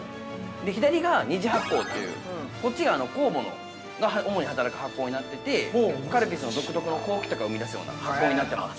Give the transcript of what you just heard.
左が二次発酵という、こっちが、酵母が主に働く発酵になっていて、カルピスの独特の香気とかを生み出すような発酵になっています。